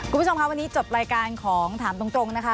คุณผู้ชมค่ะวันนี้จบรายการของถามตรงนะคะ